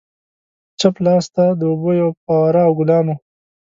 چپ لاسته د اوبو یوه فواره او ګلان وو.